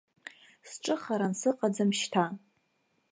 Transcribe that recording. Сҿыхаран сыҟаӡам шьҭа!